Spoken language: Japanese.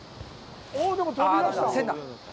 線だ。